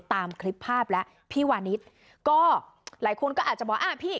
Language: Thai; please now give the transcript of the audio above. ตามคลิปภาพแล้วพี่วานิสก็หลายคนก็อาจจะบอกอ่าพี่